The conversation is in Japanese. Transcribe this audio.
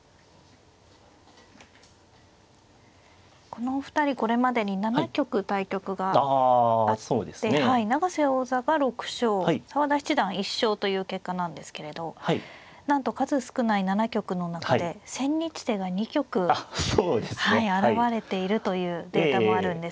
このお二人これまでに７局対局があって永瀬王座が６勝澤田七段１勝という結果なんですけれどなんと数少ない７局の中で千日手が２局現れているというデータもあるんですよね。